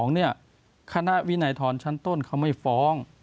๒๕๔๒เนี่ยคณะวินัยธรรมชั้นต้นเขาไม่ฟ้อง